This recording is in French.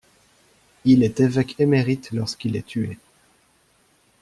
Il est évêque émérite lorsqu'il est tué.